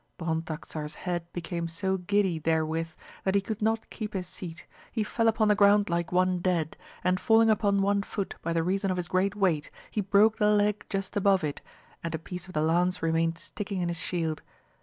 Bron taxar's head became so giddy therewith that he could not keep his seat, he fell upon the ground like one dead, and falling upon one foot, by the reason of his great weight, he broke the leg just above it, and a piece of the lance remained sticking in his shield.